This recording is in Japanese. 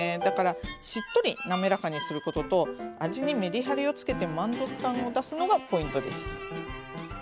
だからしっとりなめらかにすることと味にメリハリをつけて満足感を出すのがポイントです。